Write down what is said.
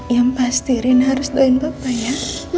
yang pasti rina harus doain bapak ya